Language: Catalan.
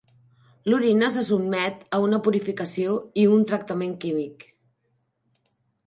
L'orina se sotmet a una purificació i un tractament químic.